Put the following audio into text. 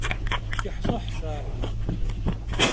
КӀыхьлъыхьщ ар…